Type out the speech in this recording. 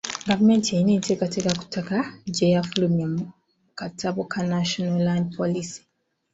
Gavumenti erina enteekateeka ku ttaka gye yafulumya mu katabo ka National Land Policy.